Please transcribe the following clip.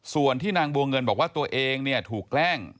ส่วนที่นางบัวเงินบอกว่าตัวเองถูกแกล้ง